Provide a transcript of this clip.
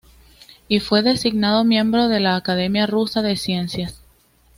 Y fue designado miembro de la Academia Rusa de Ciencias.